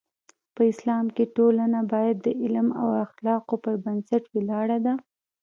په اسلام کې ټولنه باید د علم او اخلاقو پر بنسټ ولاړه ده.